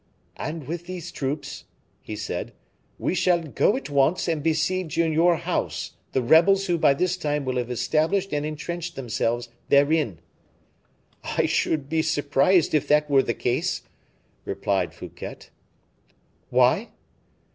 "And with these troops," he said, "we shall go at once and besiege in your house the rebels who by this time will have established and intrenched themselves therein." "I should be surprised if that were the case," replied Fouquet. "Why?"